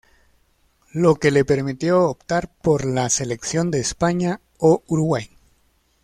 Lo que le permitió optar por la selección de España o Uruguay.